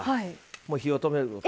もう火を止める。